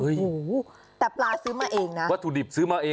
โอ้โหแต่ปลาซื้อมาเองนะวัตถุดิบซื้อมาเอง